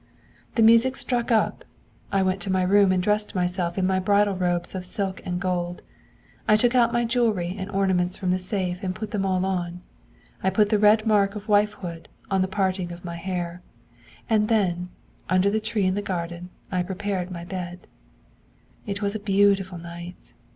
'The music struck up. I went into my room and dressed myself in my bridal robes of silk and gold. I took out my jewellery and ornaments from the safe and put them all on; I put the red mark of wifehood on the parting in my hair. And then under the tree in the garden I prepared my bed. 'It was a beautiful night.